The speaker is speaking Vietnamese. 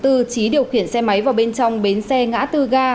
trí điều khiển xe máy vào bên trong bến xe ngã tư ga